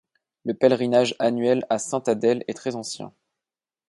Le pèlerinage annuel à sainte Adèle est très ancien.